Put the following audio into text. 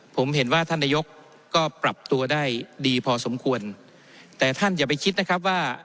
ผมเห็นว่าท่านนายกก็ปรับตัวได้ดีพอสมควรแต่ท่านอย่าไปคิดนะครับว่า